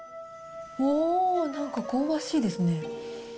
おー、なんか香ばしいですね。